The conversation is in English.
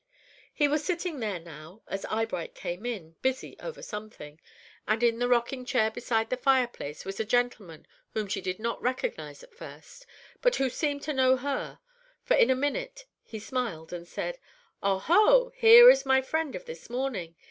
He was sitting there now as Eyebright came in, busy over something, and in the rocking chair beside the fire place was a gentleman whom she did not recognize at first, but who seemed to know her, for in a minute he smiled and said: "Oho! here is my friend of this morning.